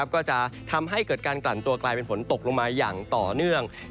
ก็จะทำให้เกิดการกลั่นตัวกลายเป็นฝนตกลงมาอย่างต่อเนื่อง